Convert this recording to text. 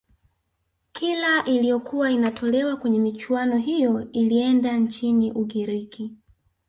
kila iliyokuwa inatolewa kwenye michuano hiyo ilienda nchini ugiriki